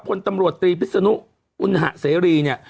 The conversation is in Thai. พลตำรวจตรีพิศนุอุณหะเสรีเนี่ย